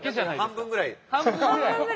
半分ぐらい。